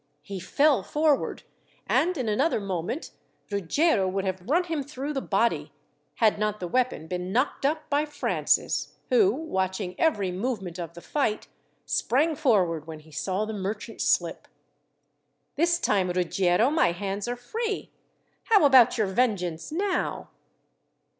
He fell forward; and in another moment Ruggiero would have run him through the body; had not the weapon been knocked up by Francis, who, watching every movement of the fight, sprang forward when he saw the merchant slip. "This time, Ruggiero, my hands are free. How about your vengeance now?"